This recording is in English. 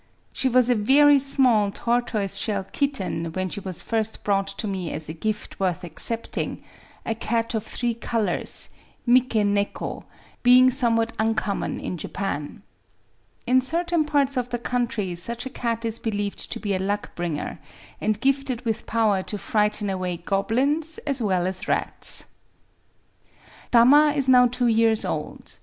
She was a very small tortoise shell kitten 219 Digitized byVnOOQlC 220 PATHOLOGICAL when she was first brought to me as a gift worth accepting, — a cat of three colours {miki neko) being somewhat uncommon in Japan. In certain parts of the country such a cat is believed to be a luck bringer, and gifted with power to frighten away goblins as well as rats. Tama is now two years old.